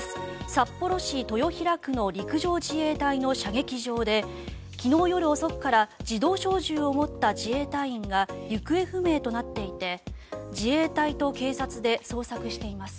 札幌市豊平区の陸上自衛隊の射撃場で昨日夜遅くから自動小銃を持った自衛隊員が行方不明となっていて自衛隊と警察で捜索しています。